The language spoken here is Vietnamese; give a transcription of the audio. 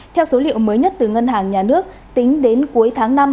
theo số liệu mới nhất từ ngân hàng nhà nước tính đến cuối tháng năm